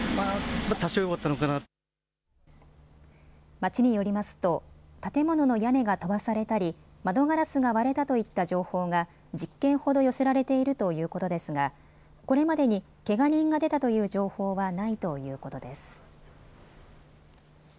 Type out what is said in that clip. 町によりますと建物の屋根が飛ばされたり窓ガラスが割れたといった情報が１０件ほど寄せられているということですがこれまでにけが人が出たという情報はないということです。